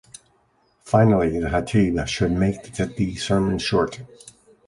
Finally the "khatib" should make the sermon short.